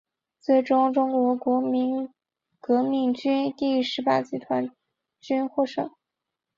最终中国国民革命军第十八集团军获胜。